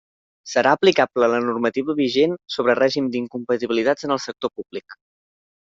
Serà aplicable la normativa vigent sobre règim d'incompatibilitats en el sector públic.